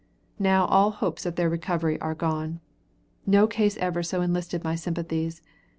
Now all hopes of their recovery are gone. No case ever so enlisted my sympathies.